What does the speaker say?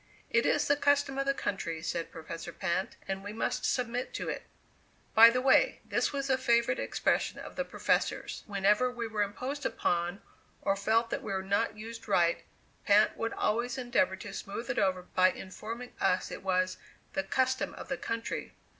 "It is the custom of the country," said Professor Pinte, "and we must submit to it." By the way, this was a favorite expression of the Professor's. Whenever we were imposed upon, or felt that we were not used right, Pinte would always endeavor to smooth it over by informing us it was "the custom of the country."